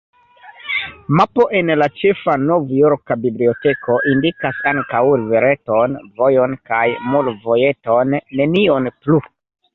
Mapo en la ĉefa novjorka biblioteko indikas ankaŭ rivereton, vojon kaj mulvojeton, nenion plu.